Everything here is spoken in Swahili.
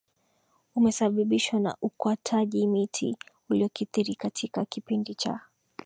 umesababishwa na ukwataji miti uliokithiri katika kipindi cha